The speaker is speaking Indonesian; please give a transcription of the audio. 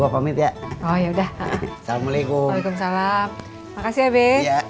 ya udah assalamualaikum salam makasih ya be